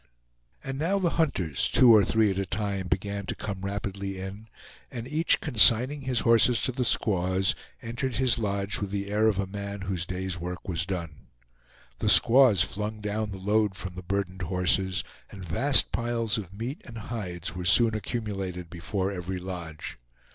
And now the hunters, two or three at a time, began to come rapidly in, and each, consigning his horses to the squaws, entered his lodge with the air of a man whose day's work was done. The squaws flung down the load from the burdened horses, and vast piles of meat and hides were soon accumulated before every lodge.